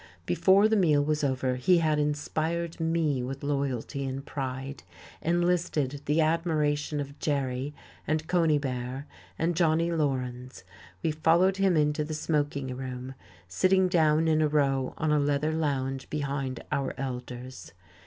Before the meal was over he had inspired me with loyalty and pride, enlisted the admiration of Jerry and Conybear and Johnnie Laurens; we followed him into the smoking room, sitting down in a row on a leather lounge behind our elders.